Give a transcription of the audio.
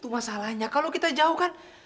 masalahnya kalau kita jauh kan